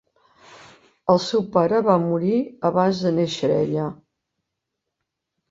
El seu pare va morir abans de néixer ella.